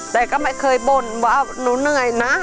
แต่ก็ไม่เคยบ่นว่าหนูเหนื่อยนะ